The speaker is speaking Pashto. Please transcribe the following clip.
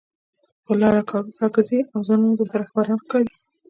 پر لار کاږه کاږه ځئ او ځانونه درته رهبران ښکاري